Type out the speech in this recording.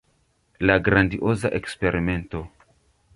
La grandioza Eksperimento.